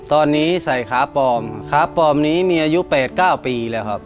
ตอนนี้ใส่ขาปลอมขาปลอมนี้มีอายุ๘๙ปีแล้วครับ